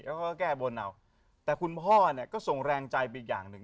แล้วแก้บลนะแต่คุณพ่อซ่องแรงใจเป็นอีกอย่างหนึ่ง